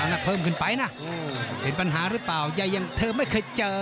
อ๋อเอาหนักเพิ่มขึ้นไปนะเห็นปัญหาหรือเปล่าใยยังเธอไม่เคยเจอ